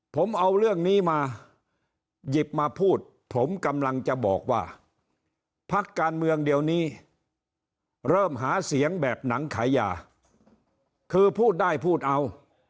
ผมเอาเรื่องนี้มาหยิบมาพูดผมกำลังจะบอกว่าพักการเมืองเดี๋ยวนี้เริ่มหาเสียงแบบหนังขายาคือพูดได้พูดเอา